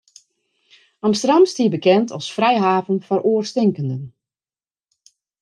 Amsterdam stie bekend as frijhaven foar oarstinkenden.